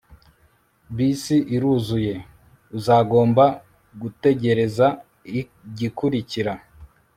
bisi iruzuye. uzagomba gutegereza igikurikira